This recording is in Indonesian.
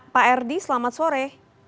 pak r d selamat sore